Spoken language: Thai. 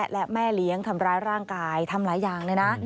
และแม่เลี้ยงทำร้ายร่างกายทำหลายอย่างเลยนะ